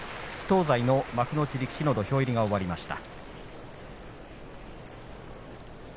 東西の幕内力士の土俵入りが終わりました。